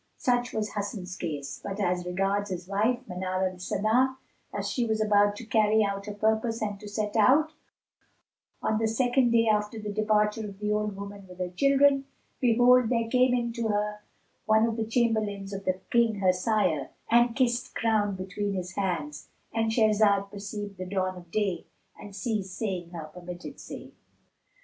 Such was Hasan's case; but as regards his wife Manar al Sana, as she was about to carry out her purpose and to set out, on the second day after the departure of the old woman with her children, behold, there came in to her one of the chamberlains of the King her sire, and kissed ground between his hands,—And Shahrazad perceived the dawn of day and ceased saying her permitted say.